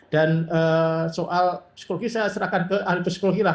dan soal psikologi saya serahkan ke ahli psikologi lah